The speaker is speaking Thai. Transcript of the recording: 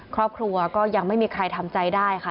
ครอบครัวก็ยังไม่มีใครทำใจได้ค่ะ